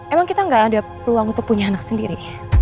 emang kita gak ada peluang untuk punya anak sendiri